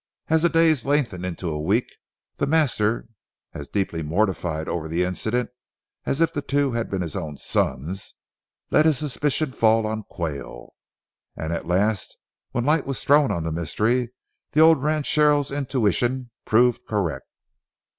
As the days lengthened into a week, the master, as deeply mortified over the incident as if the two had been his own sons, let his suspicion fall on Quayle. And at last when light was thrown on the mystery, the old ranchero's intuition proved correct.